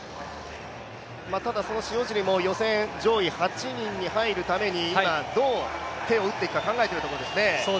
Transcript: ただ塩尻も予選上位８人に入るために、今、どう手を打っていくか考えているところですね。